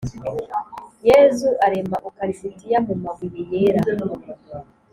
yezu arema ukaristiya mumabuye yera